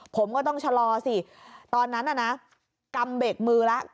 ผมก็ต้องชะลอสิตอนนั้นน่ะนะกำเบรกมือแล้ว